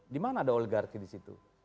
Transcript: di mana ada oligarki di situ